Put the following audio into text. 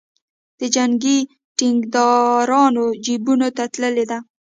د جنګي ټیکدارانو جیبونو ته تللې ده.